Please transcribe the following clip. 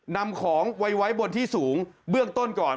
นำของไว้บนที่สูงเบื้องต้นก่อน